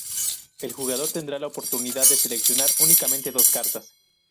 El jugador tendrá la oportunidad de seleccionar únicamente dos cartas.